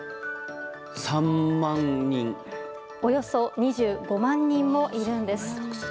およそ２５万人もいるんです。